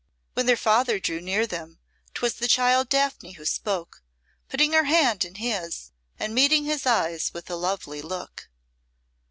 When their father drew near them 'twas the child Daphne who spoke, putting her hand in his and meeting his eyes with a lovely look.